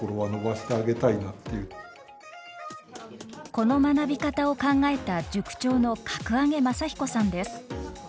この学び方を考えた塾長の撹上雅彦さんです。